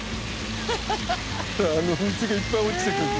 あの水がいっぱい落ちてくるの。